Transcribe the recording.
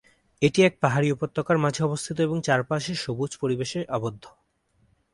এটি এক পাহাড়ি উপত্যকার মাঝে অবস্থিত এবং চারপাশে সবুজ পরিবেশে আবদ্ধ।